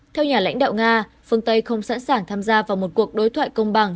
theo nhà lãnh đạo nga phương tây không sẵn sàng tham gia vào một cuộc đối thoại công bằng